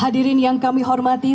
hadirin yang kami hormati